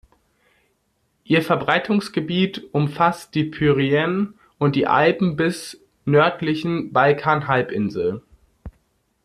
Ihr Verbreitungsgebiet umfasst die Pyrenäen und die Alpen bis nördlichen Balkanhalbinsel.